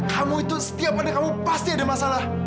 kamu itu setiap ada kamu pasti ada masalah